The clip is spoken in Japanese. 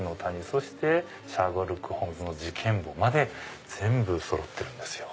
そして『シャーロック・ホームズの事件簿』まで全部そろってるんですよ。